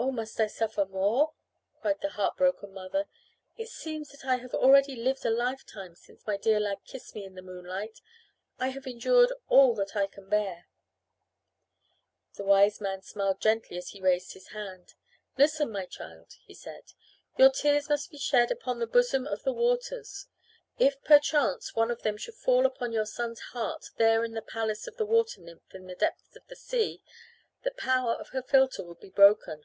"Oh, must I suffer more?" cried the heart broken mother. "It seems that I have already lived a lifetime since my dear lad kissed me in the moonlight. I have endured all that I can bear." The Wiseman smiled gently as he raised his hand. "Listen, my child," he said. "Your tears must be shed upon the bosom of the waters. If, perchance, one of them should fall upon your son's heart there in the palace of the water nymph in the depths of the sea, the power of her philtre will be broken."